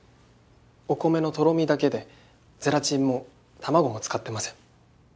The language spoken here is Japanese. お米のとろみだけでゼラチンも卵も使ってません。